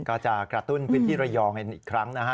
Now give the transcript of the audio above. กระตุ้นพื้นที่ระยองกันอีกครั้งนะฮะ